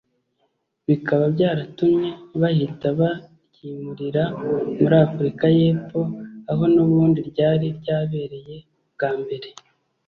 bikaba byaratumye bahita baryimurira muri Afurika y’Epfo aho n’ubundi ryari ryabereye bwa mbere